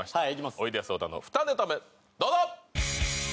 おいでやす小田の２ネタ目どうぞ！